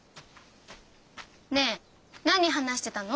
ねえ何話してたの？